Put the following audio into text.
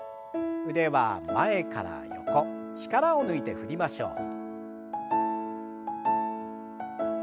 腕は前から横力を抜いて振りましょう。